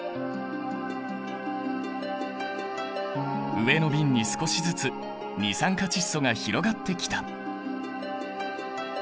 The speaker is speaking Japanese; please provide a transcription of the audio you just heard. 上の瓶に少しずつ二酸化窒素が広がってきた！